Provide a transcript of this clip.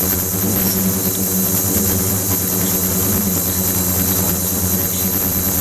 დიდი სლემის ტურნირებზე მისი საუკეთესო შედეგია მეოთხე რაუნდი სხვადასხვა წლებში.